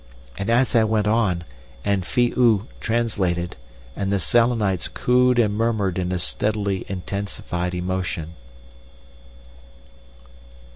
And as I went on, and Phi oo translated, the Selenites cooed and murmured in a steadily intensified emotion.